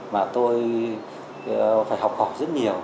và tôi phải học hỏi rất nhiều